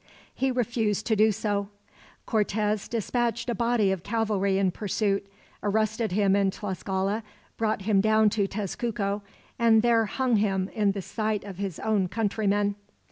He refused to do so. Cortez dispatched a body of cavalry in pursuit, arrested him in Tlascala, brought him down to Tezcuco, and there hung him in the sight of his own countrymen.